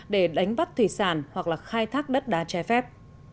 để đánh bắt thủy sản hoặc là khai thác đất đá che phép